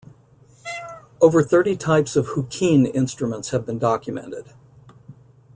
Over thirty types of "huqin" instruments have been documented.